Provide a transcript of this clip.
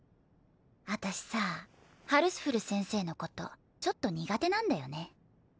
私さあハルスフル先生のことちょっと苦手なんだよね